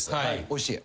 おいしい。